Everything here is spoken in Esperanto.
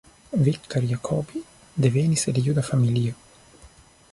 Viktor Jacobi devenis el juda familio.